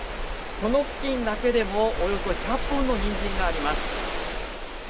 この付近だけでも、およそ１００本のニンジンがあります。